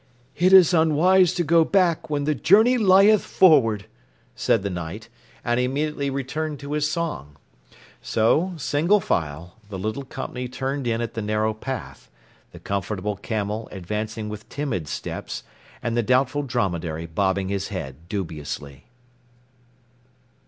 "It is unwise to go back when the journey lieth forward," said the Knight, and immediately returned to his song. So, single file, the little company turned in at the narrow path, the Comfortable Camel advancing with timid steps and the Doubtful Dromedary bobbing his head dubiously.